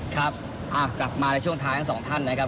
ครับกลับมาในช่วงท้ายทั้งสองท่านนะครับ